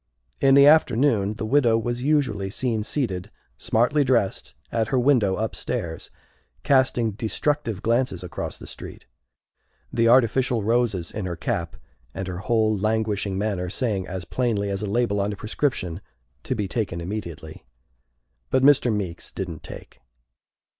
In the afternoon the widow was usually seen seated, smartly dressed, at her window upstairs, casting destructive glances across the street the artificial roses in her cap and her whole languishing manner saying as plainly as a label on a prescription, "To be Taken Immediately!" But Mr. Meeks didn't take.